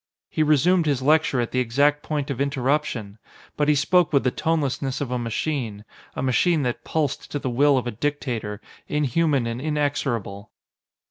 He resumed his lecture at the exact point of interruption! But he spoke with the tonelessness of a machine, a machine that pulsed to the will of a dictator, inhuman and inexorable!